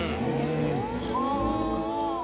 はあ。